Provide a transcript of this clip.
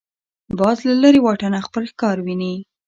باز له لرې واټنه خپل ښکار ویني